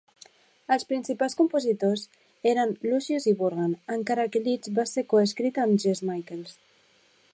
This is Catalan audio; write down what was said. Els principals compositors eren Luscious i Burgan, encara que Leech va ser coescrita amb Jesse Michaels.